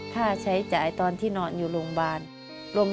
ค่าใช้จ่ายตอนที่นอนอยู่โรงพยาบาล